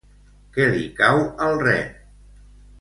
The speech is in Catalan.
Què li cau al ren?